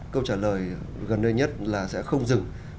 câu trả lời gần đây nhất là sẽ không dừng